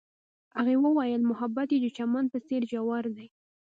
هغې وویل محبت یې د چمن په څېر ژور دی.